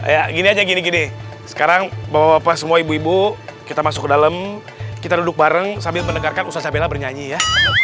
ya gini aja gini gini sekarang bapak bapak semua ibu ibu kita masuk ke dalam kita duduk bareng sambil mendengarkan ustadz sabella bernyanyi ya